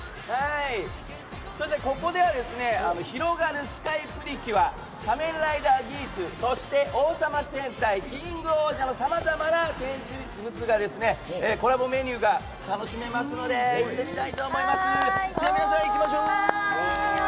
ここでは「ひろがるスカイ！プリキュア」「仮面ライダーギーツ」そして「王様戦隊キングオージャー」のさまざまなコラボメニューが楽しめますので皆さんと行ってみたいと思います。